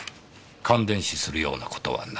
感電死するようなことはない。